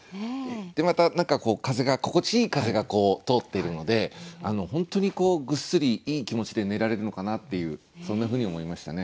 また何か風が心地いい風が通っているので本当にぐっすりいい気持ちで寝られるのかなっていうそんなふうに思いましたね。